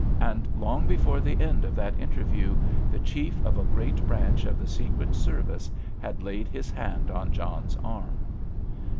And long before the end of that interview the chief of a great branch of the Secret Service had laid his hand on John's arm.